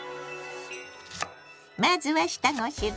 まずは下ごしらえ。